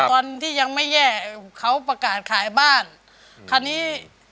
ตอนที่ยังไม่แย่เขาประกาศขายบ้านคราวนี้